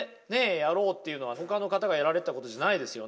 やろうっていうのはほかの方がやられてたことじゃないですよね。